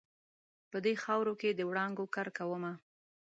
په دې خاورو کې د وړانګو کرکومه